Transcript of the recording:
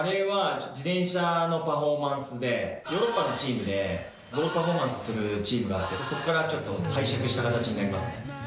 ヨーロッパのチームでゴールパフォーマンスするチームがあってそこからちょっと拝借した形になりますね。